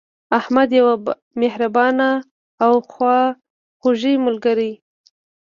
احمد یو مهربانه او خواخوږی ملګری